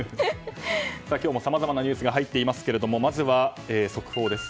今日もさまざまなニュースが入っていますがまずは速報です。